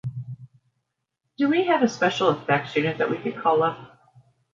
Do we have a special effects unit that we can call up?